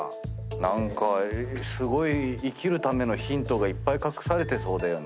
何かすごい生きるためのヒントがいっぱい隠されてそうだよね。